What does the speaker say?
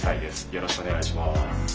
よろしくお願いします」。